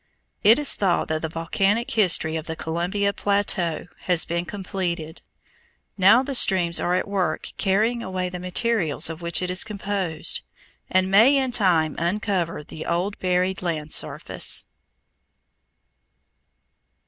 It is thought that the volcanic history of the Columbia plateau has been completed. Now the streams are at work carrying away the materials of which it is composed and may in time uncover the old buried land surface.